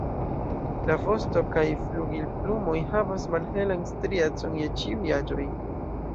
La vosto kaj flugilplumoj havas malhelan striecon je ĉiuj aĝoj.